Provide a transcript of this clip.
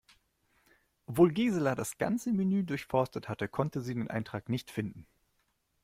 Obwohl Gisela das ganze Menü durchforstet hatte, konnte sie den Eintrag nicht finden.